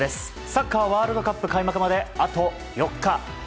サッカーワールドカップ開幕まであと４日。